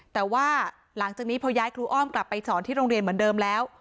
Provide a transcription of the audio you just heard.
แต่ว่าหลังจากนี้พอย้ายครูอ้อมกลับไปสอนที่โรงเรียนเหมือนเดิมแล้ว